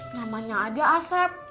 namanya aja asep